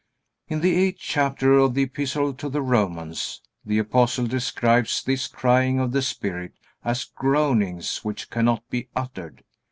In the eighth chapter of the Epistle to the Romans the Apostle describes this crying of the Spirit as "groanings which cannot be uttered."